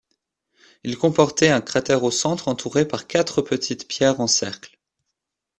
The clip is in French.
Il comportait un cratère au centre entouré par quatre petites pierres en cercle.